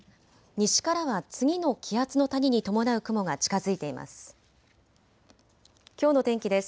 西からは次の気圧の谷に伴う雲が近づいています。